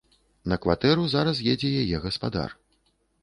На кватэру зараз едзе яе гаспадар.